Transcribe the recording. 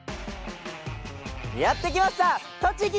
やって来ました栃木！